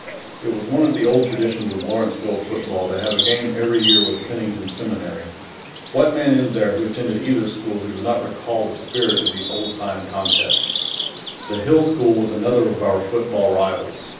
It was one of the old traditions of Lawrenceville football to have a game every year with Pennington Seminary. What man is there who attended either school who does not recall the spirit of those old time contests? The Hill School was another of our football rivals.